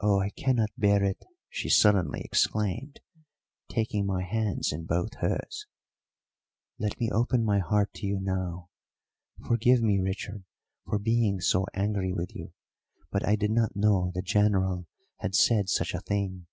"Oh, I cannot bear it!" she suddenly exclaimed, taking my hands in both hers. "Let me open my heart to you now. Forgive me, Richard, for being so angry with you, but I did not know the General had said such a thing.